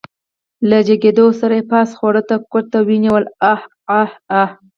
له جګېدو سره يې پاس خوړ ته ګوته ونيوله عاعاعا.